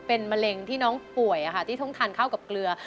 เป็นมะเร็งที่น้องป่วยที่ต้องทานข้าวกับเกลือ